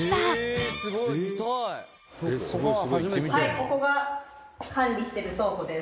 「ここが管理してる倉庫です。